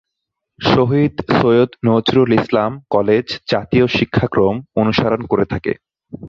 শহীদ Syed Nazrul Islam college জাতীয় শিক্ষাক্রম অনুসরণ করে থাকে।